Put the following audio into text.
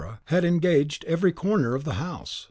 ah!) had engaged every corner of the house.